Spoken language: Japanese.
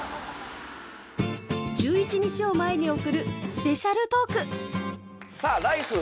１１日を前に送るスペシャルトークさあ「ＬＩＦＥ！」